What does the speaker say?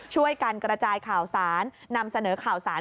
ช่วยกันกระจายข่าวสารนำเสนอข่าวสาร